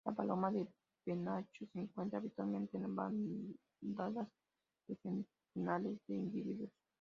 La paloma de penacho se encuentra habitualmente en bandadas de centenares de individuos.